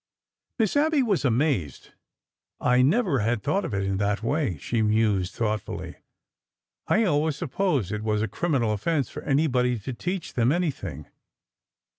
Miss Abby was amazed. " I never had thought of it in that way," she mused thoughtfully. " I always sup posed it was a criminal offense for anybody to teach them anything."